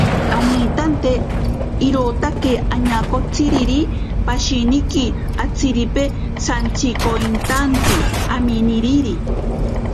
Anintante irotaki añakotsiriri pashiniki atziri santsikoitantsi aminiri.